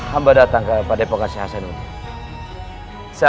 hamba datang kepada pangan senur jati